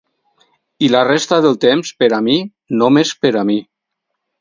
I la resta del temps per a mi, només per a mi...